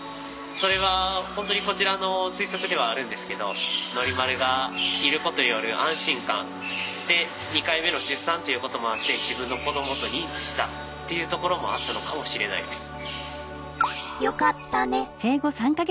それは本当にこちらの推測ではあるんですけどノリマルがいることによる安心感で２回目の出産っていうこともあって自分の子どもと認知したっていうところもあったのかもしれないです。